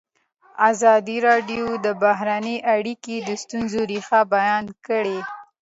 ازادي راډیو د بهرنۍ اړیکې د ستونزو رېښه بیان کړې.